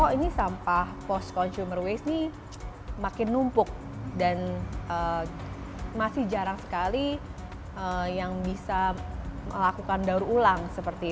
ini sampah post consumer waste ini makin numpuk dan masih jarang sekali yang bisa melakukan daur ulang